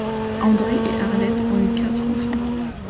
André et Arlette ont eu quatre enfants.